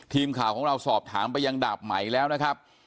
ทีมข่าวของเราสอบถามไปยังดาบไหมแล้วนะครับ